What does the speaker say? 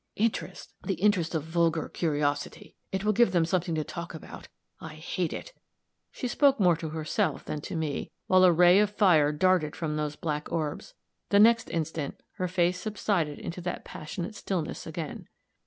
"Interest! the interest of vulgar curiosity! It will give them something to talk about. I hate it!" She spoke more to herself than to me, while a ray of fire darted from those black orbs; the next instant her face subsided into that passionate stillness again.